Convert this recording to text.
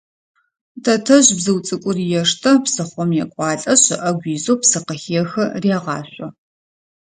Тэтэжъ бзыу цӏыкӏур ештэ, псыхъом екӏуалӏэшъ, ыӏэгу изэу псы къыхехы, регъашъо.